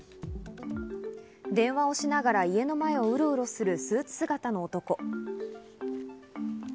電話をしながら家の前をウロウロするスーツ姿の男。